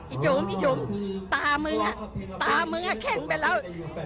อีจุ้มอีจุ้มตามือตามือแข็งไปแล้ว